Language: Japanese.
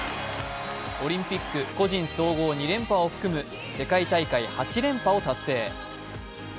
オリンピック個人総合２連覇を含む世界大会８連覇を達成。